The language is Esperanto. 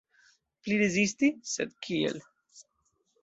Pli rezisti, sed kiel?